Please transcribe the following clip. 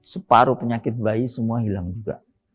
separuh penyakit bayi semua hilang juga